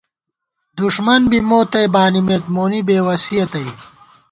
دݭمن بی موتئ بانِمېت ، مونی بے وسِیَہ تئ